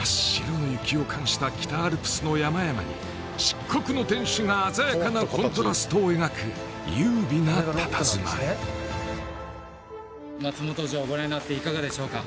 真っ白の雪を冠した北アルプスの山々に漆黒の天守が鮮やかなコントラストを描く優美なたたずまい松本城ご覧になっていかがでしょうか？